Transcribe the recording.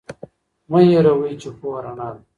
مه هیروئ چې پوهه رڼا ده.